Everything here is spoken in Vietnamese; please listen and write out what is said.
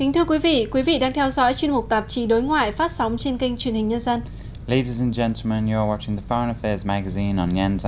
thưa quý vị quý vị đang theo dõi chuyên mục tạp chí đối ngoại phát sóng trên kênh truyền hình nhân dân